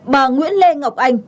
hai bà nguyễn lê ngọc anh